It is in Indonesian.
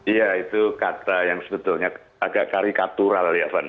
iya itu kata yang sebetulnya agak karikatural ya fani